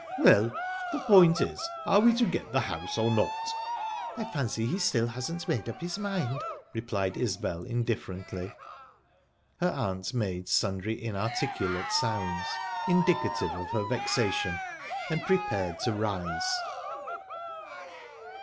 "Well, the point is, are we to get the house, or not?" "I fancy he still hasn't made up his mind," replied Isbel indifferently. Her aunt made sundry inarticulate sounds, indicative of her vexation, and prepared to rise.